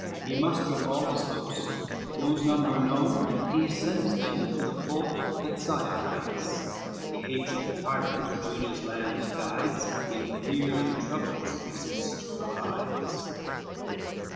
He mustereth all his host, whose number known, He sends them to the fort that Sion hights; The aged tyrant Juda's land that guides, In fear and trouble, to resist provides.